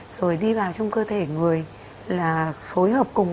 rồi đi vào trong cơ thể người là phối hợp cùng